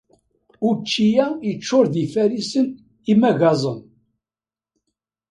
Učči-a yeččuṛ d ifarisen imagaẓen.